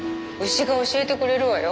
牛が教えてくれるわよ。